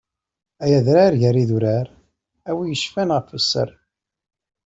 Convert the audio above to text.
Ay adrar gar idurar, a wi yeccfan ɣef sser.